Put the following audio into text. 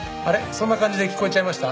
そんな感じで聞こえちゃいました？